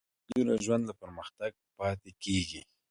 بېبدلونه ژوند له پرمختګه پاتې کېږي.